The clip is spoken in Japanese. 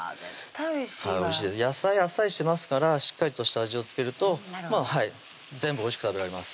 絶対おいしいわ野菜あっさりしてますからしっかりと下味を付けるとなるほど全部おいしく食べられます